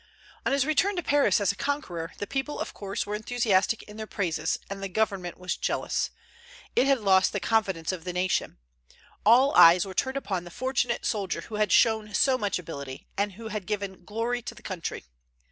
On his return to Paris as a conqueror, the people of course were enthusiastic in their praises, and the Government was jealous. It had lost the confidence of the nation. All eyes were turned upon the fortunate soldier who had shown so much ability, and who had given glory to the country.